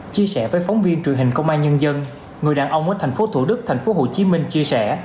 chia sẻ với phóng viên truyền hình công an nhân dân người đàn ông ở tp thủ đức tp hcm chia sẻ